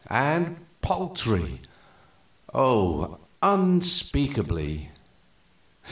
And paltry oh, unspeakably!"